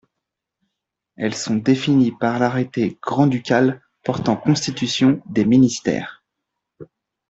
Elles sont définies par l'arrêté grand-ducal portant constitution des ministères.